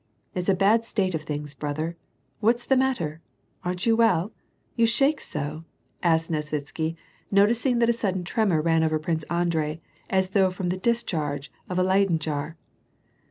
It's a bad state of things, brother. What's the matter ? Aren't you well, you shake so ?" asked Nesvitsky, noticing that a sudden tremor ran over Prince Andrei, as though from the discharge of a Leyden jar.